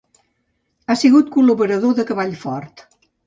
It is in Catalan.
Ha sigut col·laborador de Cavall Fort.